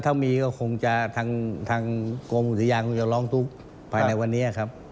ถ้ามีก็คงจะทางกรมอุทยานคงจะร้องทุกข์ภายในวันนี้ครับ